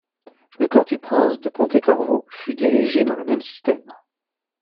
Le corps du prince de Ponte-Corvo fut dirigé dans le même système.